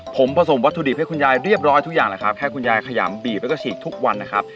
ผมผสมวัตถุดิบให้คุณยายเรียบร้อยทุกอย่างแหละครับแค่คุณยายขยำบีบแล้วก็ฉีกทุกวันนะครับ